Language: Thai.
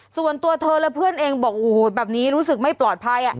ส่วนตัวเธอและเพื่อนเองบอกโอ้โหแบบนี้รู้สึกไม่ปลอดภัย